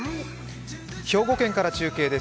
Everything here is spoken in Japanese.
兵庫県から中継です。